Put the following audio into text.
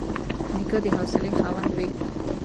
نیکه د حوصلې خاوند وي.